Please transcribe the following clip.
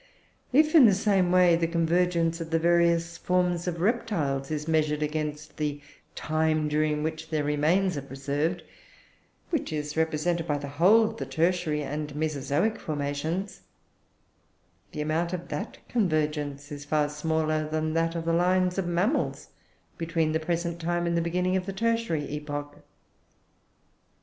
If, in the same way, the convergence of the varied forms of reptiles is measured against the time during which their remains are preserved which is represented by the whole of the tertiary and mesozoic formations the amount of that convergence is far smaller than that of the lines of mammals between the present time and the beginning of the tertiary epoch.